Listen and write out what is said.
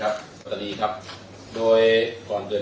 อันนี้มีเหตุการณ์ล้อมธรรมิเหตุครั้งหนึ่ง